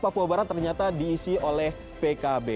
papua barat ternyata diisi oleh pkb